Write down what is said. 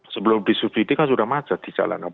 sebelum di subsidi kan sudah maja di jalan